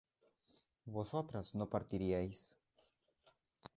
vosotras no partiríais